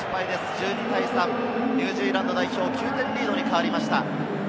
１２対３、ニュージーランド代表９点リードに変わりました。